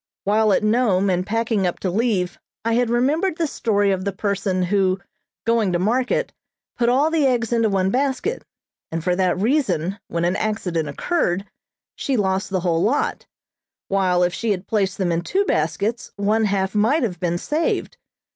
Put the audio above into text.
While at Nome and packing up to leave I had remembered the story of the person who, going to market, put all the eggs into one basket, and for that reason, when an accident occurred, she lost the whole lot; while, if she had placed them in two baskets, one half might have been saved.